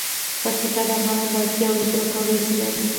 پکتیا د افغانانو د اړتیاوو د پوره کولو وسیله ده.